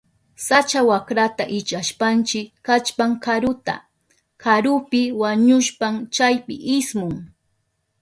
Sacha wakrata illapashpanchi kallpan karuta. Karupi wañushpan chaypi ismun.